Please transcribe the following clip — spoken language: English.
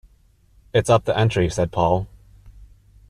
“It’s up the entry,” said Paul.